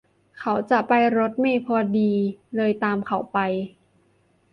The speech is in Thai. เขาจะไปรถเมล์พอดี เลยตามเขาไป